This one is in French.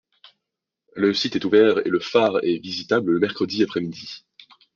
Le site est ouvert et le phare est visitable le mercredi après-midi.